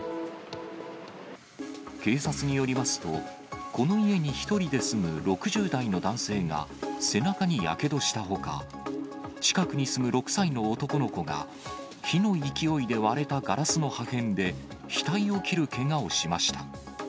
警察によりますと、この家に１人で住む６０代の男性が背中にやけどしたほか、近くに住む６歳の男の子が、火の勢いで割れたガラスの破片で額を切るけがをしました。